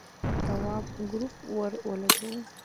تواب گروپ ور ولگاوه.